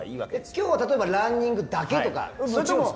今日は例えばランニングだけとか。